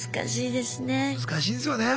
難しいですね。